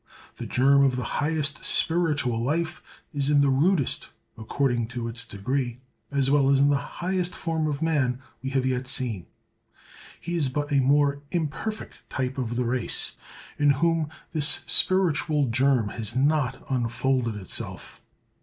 The germ of the highest spiritual life is in the rudest, according to its degree, as well as in the highest form of man we have yet seen;—he is but a more imperfect type of the race, in whom this spiritual germ has not unfolded itself.